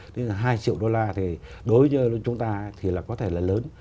hai triệu đô la thì đối với chúng ta thì có thể là lớn